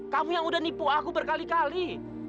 kami yang udah nipu aku berkali kali